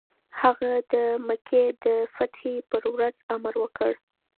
هغه د مکې د فتحې پر ورځ امر وکړ.